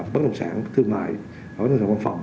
bất động sản thương mại và văn phòng